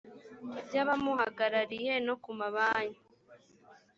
by abamuhagarariye no ku mabanki